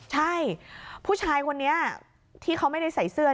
ใช่ผู้ชายคนนี้ที่เขาไม่ได้ใส่เสื้อ